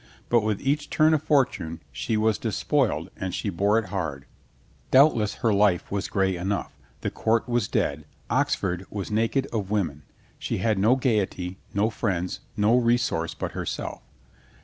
But with each turn of fortune she was despoiled and she bore it hard. Doubtless her life was gray enough. The court was dead. Oxford was naked of women. She had no gaiety, no friends, no resource but herself.